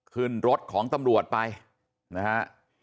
ขึ้นรถของตำรวจไปนะฮะ